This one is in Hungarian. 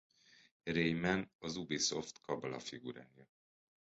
Rayman a Ubisoft kabala figurája.